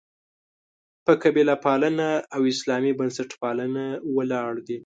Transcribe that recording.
په «قبیله پالنه» او «اسلامي بنسټپالنه» ولاړ دي.